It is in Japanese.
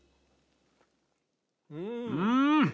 うん！